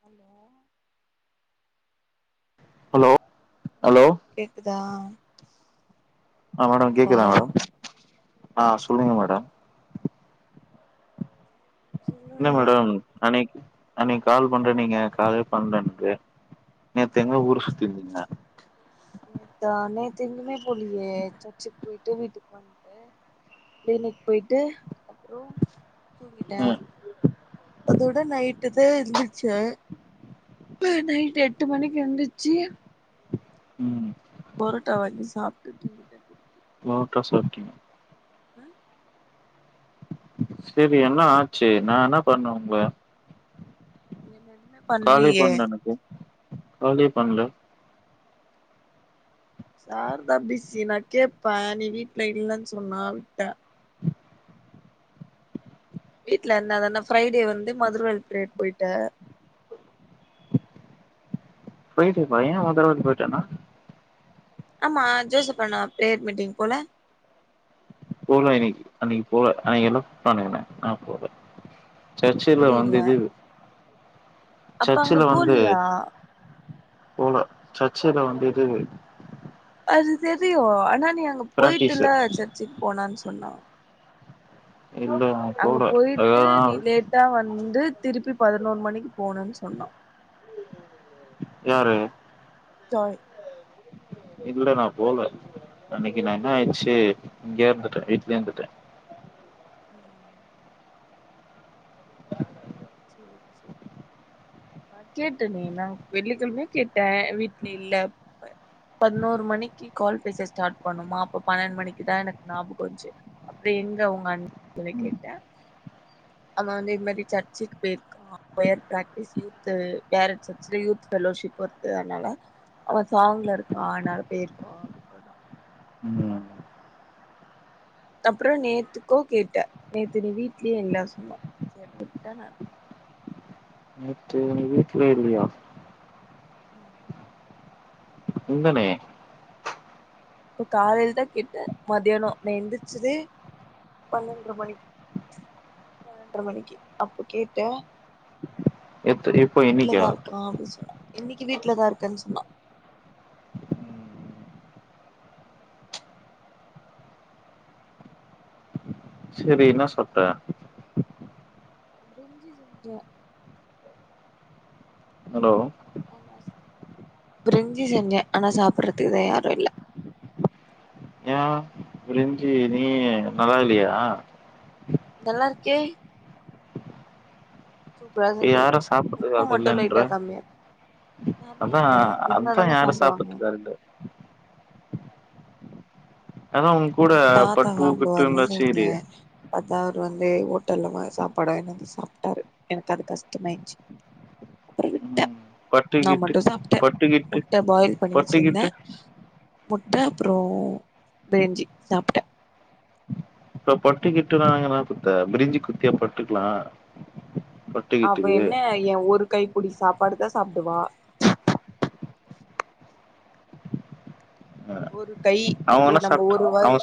hello hello ம் hello கேக்குதா ஆ மேடம் கேக்குதாடி கேக்குதா மேடம் ஆ சொல்லுங்க ம் மேடம் என்ன இல்லடா மேடம் அன்னைக்கு அன்னைக்கு கால் பண்றேன் நீங்க காலே பண்ணல எனக்கு நேத்து எங்க ஊர் சுத்தி இருந்தேன் நேத்தா நேத்து எங்குமே போலியே சர்ச்சுக்கு போயிட்டு வீட்டுக்கு வந்துட்டேன் கிளினிக்கு போயிட்டு அப்றோ தூங்கிட்டேன் ம் அதோட நைட்டு தான் எந்திரிச்சே நைட்டு் எட்டு மணிக்கு எந்திச்சு ம் பொரோட வாங்கி சாப்டு தூங்கிடேன் பொரோடா சாப்டிங்க ஆ செரி என்ன ஆச்சு நான் என்ன பண்ண உங்கள என்னென்னா காலே பண்ணலே எனக்கும் காலே பண்ணலே சார் தா பிஸி நான் கேட்பேன் நீ வீட்ல இல்லன்னு சொன்னா விட்ட வீட்ல இருந்தாதானா ஃப்ரைடே வந்து மதுர்வாயல் போயிட்ட ஃப்ரைடே வா ஏன் மதுரவாயல் போயிட்டோனா ஆமா ஜோச அண்ணா ப்ரேயர் மீட்டிங் போல போல இன்னைக்கு அன்னைக்கு போல அன்னைக்கு எல்ல குப்டனாங்க என்ன நான் போல சர்ச்சல வந்து புரியல இது அப்ப அங்க சர்ச்சல வந்து போலியா போல சர்ச்சயில வந்து இது அது தெரியும் ஆனா நீ அங்க பிராக்டிஸு போயிட்டுள்ளே சர்ச்சக்கு போனான்னு சொன்னான் இல்ல அங்க போல போயிட்டு ஏன்னா நீ லேட்டா வந்து திருப்பி பதினொரு மணிக்கு போகணேன்னு சொன்னா யாரு ஜாய் இல்ல நான் போல அன்னைக்கு நான் என்ன ஆயிடுச்சு இங்க இருந்துட்டேன் வீட்லயே இருந்துட்டேன் நான் கேட்டேனே நான் வெள்ளிக்கிழமே கேட்டேன் வீட்ல இல்ல பதினோரு மணிக்கு கால் பேச ஸ்டார்ட் பண்ணுமா அப்ப பன்னெண்டு மணிக்கு தான் எனக்கு ஞாபகம் வந்துஞ்சு அப்டி எங்க உங்க அண்ண சொல்லி ம் கேட்டன் அவன் வந்து இது மாரி சர்ச்சிக்கு போயிருக்கா பிராக்டிஸ் யூத் பேர வச்சு யூத் ல்லோஷிப் வருது அதனால அவன் சாங்ல இருக்கான் ஆனால போயிருப்பான் ம் அப்பறம் நேத்துக்கோ கேட்டேன் நேத்து நீ வீட்லயும் இல்லா சொன்னா செரி உட்டா நா நேத்து வீட்ல இல்லயா இருந்தனே இப்ப காலையில தா கேட்டே மதியானோ நா எந்திரிச்சதே பன்னெண்டுர மணி பன்னெண்டுர மணிக்கு அப்போ கேட்ட எத்ரி இப்போ இன்னைகா ஆபிஸ்ல இன்னைக்கு வீட்டுல தா இருக்கன்னு சொன்னா சேரி என்ன சாப்ட்ட கஞ்சு குடிச்ச ஹலோ ஆமா பிரிஞ்சி செஞ்சே ஆனா சாப்டறதுக்கு தா யாரு இல்ல ஏ பிரஞ்சி நீ என்ன நல்லா இல்லையா நல்லாயிருகே சூப்பரா செஞ்சிருக்க யாரு சாப்டறதுக்கு உப்பு ஆள் மட்டு இல்லன்ற லைட்டா கம்மியா யாருமே அதா இல்ல அதா இருந்தாதான யாரு சாப்டுவாங்க சாப்டறதுக்கு ஆள் இல்ல அதா ஒங்கூட தாத்தா சாப்டுவாருன்னு செஞ்ச பாத்தா அவர் வந்து ஹோட்டல்ல பாத்த அவரு வந்து ஹேட்டல்ல வ சாப்பாடு வாங்கினு வந்து சாப்டாரு எனக்கு அது கஷ்டமாயிடிச்சி ம் நா பட்டுக்கிட்டு மட்டு சாப்ட்டே பட்டுக்கிட்டு முட்ட பாயில் பண்ணி வச்சிருந்தே பட்டுக்கிட்டு முட்ட அப்புறோ பிரிஞ்சி சாப்ட அப்ப பட்டுக்கிட்டுனாங் குத்த பிரிஞ்சு குடுத்தியா பட்டுக்கலா அவ ஒட்டிக்கிட்டு என்ன எ ஒரு கை புடி சாப்பாடுதா சாப்டுவா ஒரு கை அவ ஒரு என்ன நம்ம சாப்ட் ஒரு வாய் அவ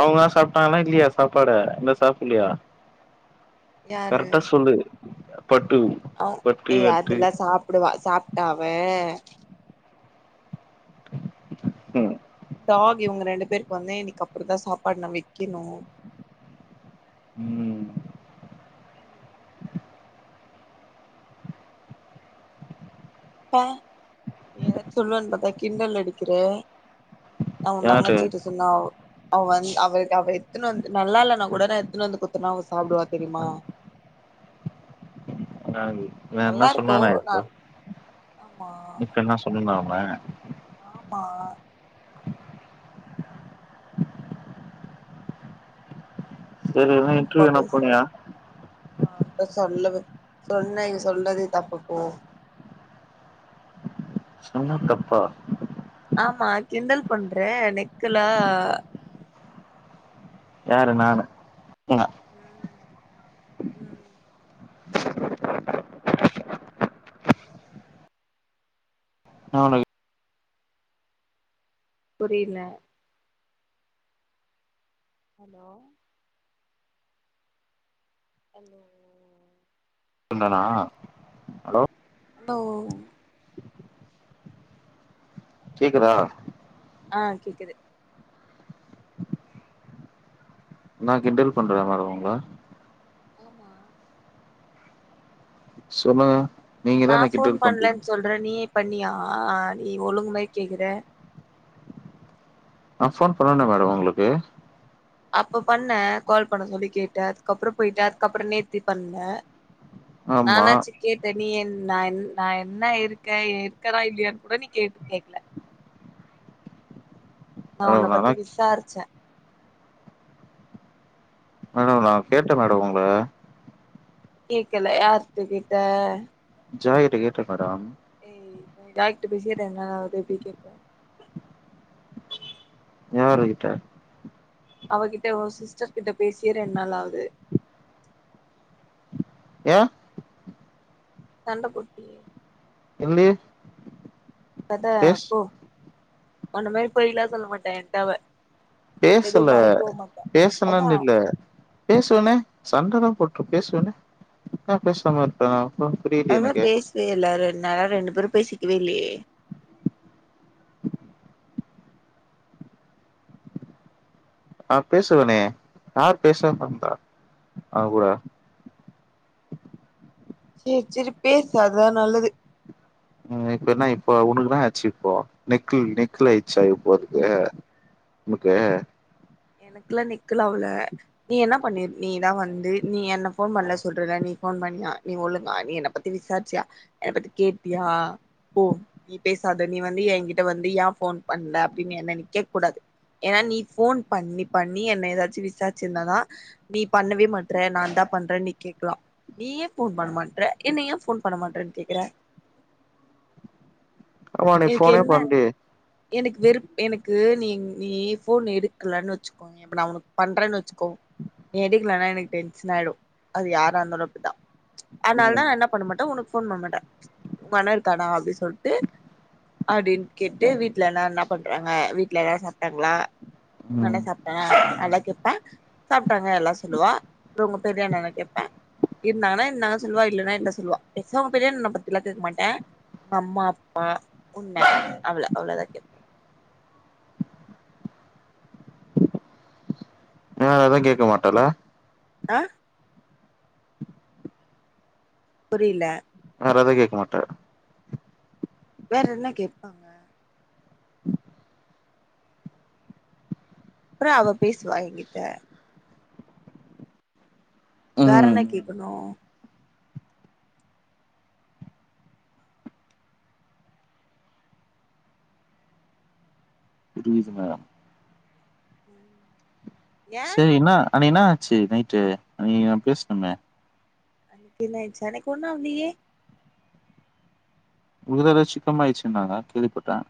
அவுங்களாவது சாப்டாங்களா இல்லையா சாப்பாடு இன்னு சாப்ட்லையா கரெக்டா சொல்லு பட்டூ அ ஏய் அதெல்லா சாப்புடுவா சாப்ட்டா அவ ம் டாக் இவங்க ரெண்டு பேருக்கு வந்து இன்னிக்கு அப்டி தா சாப்பாடு நா வெக்கணு ம் ப்ப நீ ஏதாச்சு சொல்வனு பாத்தா கிண்டல் அடிக்கிற அவ உ யாரு தங்கச்சிகிட்ட சொன்னா அவ அவ வந் அவளுகு எத்தன்னு வந்து நல்லா இல்லன்னா கூட நா எத்துன்னு வந்து குத்தனா அவ சாப்டுவா தெரியுமா யாரு நா நல்லா என்ன இருக்கு சொன்னனா நா இப்போ ஆமா இப்ப நா சொன்னான உன்ன ஆமா சேரி போடு எதுனா ரொம்ப இன்டர்வியூ எங்கனா பேசுற போனியா நா உன்ட சொல்லுவே சொன்னே சொன்னதே தப்புப்போ என்ன தப்பா ஆமா கிண்டல் பண்ற நெக்கலா யாரு நானு நா ம் ம் முளை புரியல ஹலோ [inaudible] வந்தானா ஹலோ கேக்குதா ஆ கேக்குது நா கிண்டல் பண்ற [unintelligible] ஆமா சொல்லுங்க நீங்க தா எனை கிண்டல் பண்றீங் அத நீ பண்ணியா நீ ஒழுங்கு மாரி கேக்குறே நா போன் பண்ணனே மேடம் உங்ளுக்கு அப்ப பண்ணே கால் பண்ண சொல்லி கேட்டே அதுக்கப்றோ போயிட்டே அதுக்கப்றோ நேத்தி பண்ணே ஆமா நானாச்சி கேட்ட நீ என் நா நா என்னா இருக்க இருக்கறனா இல்லையான்னு கூட நீ கேட்டு கேக்கல நா உன்ன மேடம் பத்தி நான்தா விசாரிச்சே ப்ப கேட்டே மேடம் உங்கள கேக்கல யார்ட்ட கேட்ட ஜாய்கிட்ட கேட்டே மேடம் ஏய் நீ ஜாய் கிட்ட பேசியே ரெண்டு நாளாவுது எப்டி கேப்பே யாருகிட்ட அவகிட்ட ஹோ சிஸ்டர் கிட்ட பேசியே ரெண்டு நாளாகுது ஏ சண்டை போட்டியே [unintelligible] கத பேஸ் போ உன்ன மாரி பொய்யெல்லா சொல்ல மாட்ட ஏன்ட அவ எதுவு பேசல மறைக்கவு மாட்டா அதா பேசனன்ட்டு இல்ல பேசுவனே சண்டதா போட்டு பேசுவனே ஏ பேசாம இருப்பே புரியலையே அதா எனக்கு பேசுவ இல்ல ரெண்டு நாளா ரெண்டு பேரு பேசிக்கவே இல்லையே ஆ பேசுவனே யார் பேசுலேனு சொன்னா அவகூட செரி செரி பேசு அதா நல்லது இப்ப என்ன இப்போ உனுக்குதா ஆச்இப்போ நெக்குள் நெக்குள் ஆயிச்சா இப்போ அதுக்கு நமக்கு எனக்குல்லா நிக்கல அவளே நீ என்ன பண்ணி நீதா வந்து நீ என்ன போன் பண்ல சொல்றல நீ ஃபோன் பண்ணியா நீ ஒழுங்கா நீ என்ன எனப்பத்தி விசாரிச்சியா எனப்பத்தி கேட்டியா ஓ நீ பேசாத நீ வந்து ஏங்கிட்ட வந்து ஏ போன் பண்ல அப்டின்னு என்ன நீ கேக்கூடாது ஏனா நீ ஃபோன் பண்ணி பண்ணி என்ன ஏதாச்சி விசாரிச்சிருந்தாதா நீ பண்ணவே மாட்ற நாந்தா பண்றேனு நீ கேக்கலா நீயே ஃபோன் பண்ண மாட்டற என்ன ஏ ஃபோன் பண்ண மாட்டறன்னு கேக்கற ஆமா நீ எனக்கு ஃபோனே என்ன பண்லியே எனக் வெறு எனக்கு நீ நீ ஃபோன் எடு இல்லன்னு வச்சுக்கோ எப்ப நா ஒனக்கு பண்றேன்னு வச்சுக்கோ நீ எடுக்கலனா எனக்கு டென்ஷன் ஆயிரு அது யாரா இருந்தாலு அப்பிடித்தா அதனாலதா ம் நா என்ன பண்ண மாட்டே உனக்கு ஃபோன் பண்ண மாட்டே ஓ அண்ணா இருக்கானா அப்டி சொல்ட்டு அப்பிடின்னு கேட்டு வீட்டு்லனா என்ன பண்றாங்க வீட்ல எல்லாரு சாப்ட்டாங்களா நல்லா ம் சாப்பிட்டேனா நல்லா கேப்பே சாப்டாங்க எல்லா சொல்லுவா உங்க பெரியாண்ணனே கேப்பே இருந்தாங்கானா இருதாங்க சொல்லுவா இல்லன்னா இல்ல சொல்லுவா பெர்சா ஒபினியன் ன பத்திலா கேக்கமாட்டே அம்மா அப்பா உன்னே அவ்ள அவ்ளோதா கேப் வேற எதோ கேக்க மாட்டலே ஆ புரில்ல வேற எது கேக்க மாட்டே வேற என்ன கேப்பாங்க அப்புறோ அவ பேசுவா எங்கிட்ட வேற என்ன ம் கேக்கணு புரிதுங்கே ஏ செரி என அன்னைக்கி என்னா ஆச்சு நைட்டு நீ பேசுணோமே இன்னாய்ச்சு அனைக் கொன்னு ஆவ்லயே உறுதல சிக்கம்மாயிச்சுனாரா கேள்விபட்டடே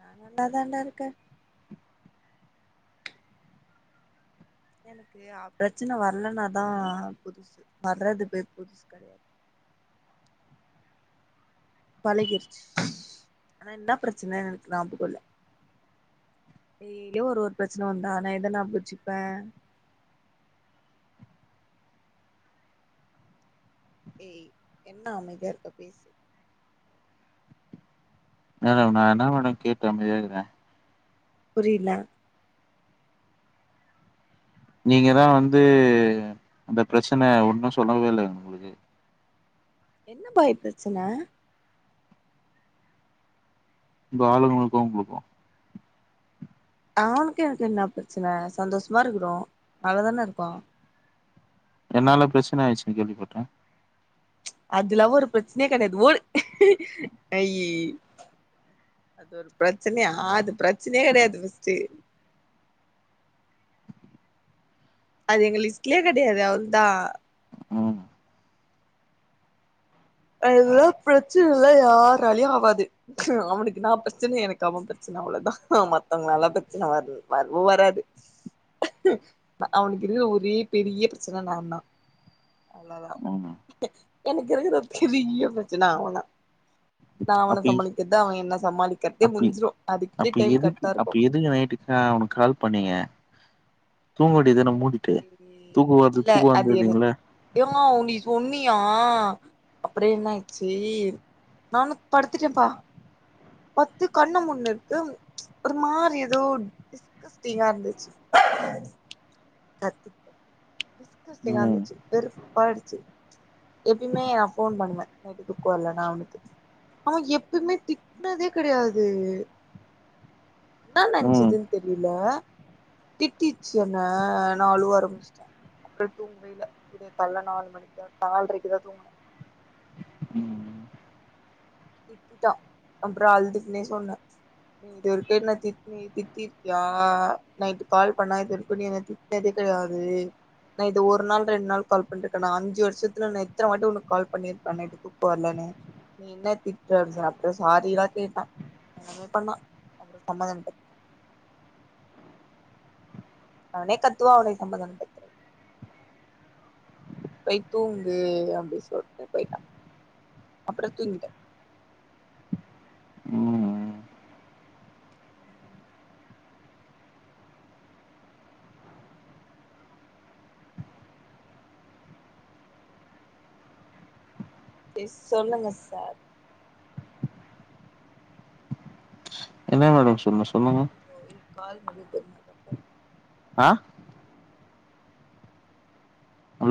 நா நல்ல தான்டா இருக்கே எனக்கு ப்ரச்சன வர்லனாதா புதுசு வர்றது பேய் புதுசு கிடயாது பழகிருச்சு ஆனா என்னா ப்ரச்சன எனக்கு ஞாபகோ இல்ல டெய்லியு ஒரு ஒரு பிரச்சன வந்தா நா எத ஞாபகோ வச்சிப்பே ஏய் என்ன அமைதியா இருக்க பேசு மேடம் நா என்ன மேடம் கேட்டு அமைதியாயிருகுறே புரியில நீங்கதா வந்து அந்த ப்ரச்சன ஒன்னு சொல்லவே இல்லங் என்ன பாய் பிரச்சன அந்த ஆளுங்களுக்கு உங்களுக்கு ஆளுக்கு எனக்கு என்ன பிரச்சன சந்தோஷமா இருக்கிறோ நல்லா தானே இருக்கோ என்னால பிரச்சன ஆயிச்சுனு கேள்விப்பட்டே அதுலா ஒரு பிரச்சனயே கெடயாது ஓடு ஐ அது ஒரு பிரச்சனையா அது பிரச்சனையே கிடயாது ஃபஸ்ட்டு அது எங்க லிஸ்ட்லயே கெடையாது அவுல்தா ஆ அதல்லா பிரச்சனை இல்லா யாராலயு ஆவாது அவனுக்கு நா பிரச்சன எனக்கு அவ பிரச்சன அவ்ளதா மத்தவங்கலால பிரச்சன வர்ல் வர்வு வராது அவனுக்குருக்குற ஒரே பெரிய ப்ரச்சன நா தா அவ்ளதா ம் எனக்கு இருக்குற பெரிய பிரச்சன அவதா நா அவனை அப்பி சமாளிக்கது அவ என்ன சமாளிக்கிற்றதே முஞ்சுடு அதுக்கே டைம் கர்டா இருக்கு இதுங்க நைட்டு ஆ உனக்கு கால் பண்ணீங்க தூங்கவேண்டிது தான மூன் விட்டு தூங்குவோது தூங்காளாந்திங்களே ஏவ் மாவ் நீ சொன்னியா அப்புறோ என்ன ஆச்சு நானும் படுத்துட்டேம்ப்பா பத்து கண்ண மூட்ன்னன்த்து ஒரு மாரி ஏதோ கஷ்டிகாருந்துசு கர்த்து ம் கர்த்திகாருந்துச்சு வெறுப்பாடுச்சு எப்பமே நா ஃபோன் பண்ணுவ நைட்டு தூக்கவர்லனா அவனுக்கு அவ எப்பமே திட்டனதே கிடையாது என்ன ம் நென்ச்சுதுன்னு தெரில திட்டிச்சு என்ன நா அழுவ ஆரம்பிச்சுட்ட அப்டே தூங்கவேல்ல விடிய கால்ல நாலு மணிக்குதா நால்ரைக்கு தா தூங்கன ம் திட்டிட்டா அம்ப்ர அழுதுக்னே சொன்ன நீ இதுவரைக்கு என்ன திட் நீ திட்டிருக்கியா நைட்டு கால் பண்ணா இது இருக்குன்னு என்னைய திட்னதே கெடையாது நா இது ஒரு நாள் ரெண்டு நாள் கால் பண்ருக்கனா அஞ்சு வருஷத்துல நா எத்தன வாட்டி உனக்கு கால் பண்ணிருப்ப நைட் தூக்கோ வரலனு நீ என்ன திட்ற அப்டிசொன அப்றோ சாரி லா கேட்டா [inaudible] மே பண்ணா [inaudible] சமதன அவனே கத்துவா அவனே சமாதானபட்த்ருவா போய் தூங்கு அப்டி சொல்ட்டு போய்ட்டா அப்றோ தூங்கிட்ட ம் எஸ் சொல்லுங்க சார் என்ன மேடம் சொன் [unintelligible] கால் பண்ணிருக்க இந்த நம்பர் அ